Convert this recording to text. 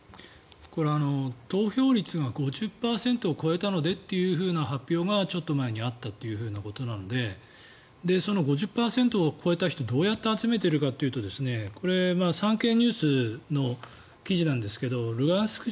これ、投票率が５０％を超えたのでという発表がちょっと前にあったということなのでその５０％を超えた人どうやって集めているかというと産経ニュースの記事なんですがルハンシク